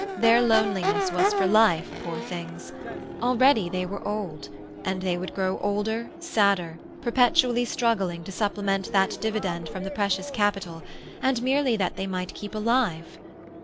Their loneliness was for life, poor things. Already they were old; and they would grow older, sadder, perpetually struggling to supplement that dividend from the precious capital—and merely that they might keep alive.